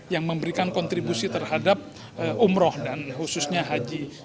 yang memberikan kontribusi terhadap umroh dan khususnya haji